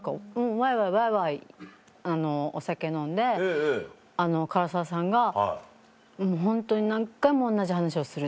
わいわいお酒飲んで唐沢さんがホントに何回も同じ話をする。